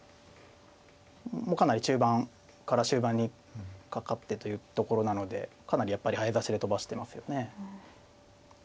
もうかなり中盤から終盤にかかってというところなのでかなりやっぱり早指しで飛ばしてますよね。